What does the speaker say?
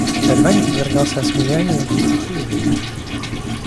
Гальвани подвергался осмеянию глупых и умных.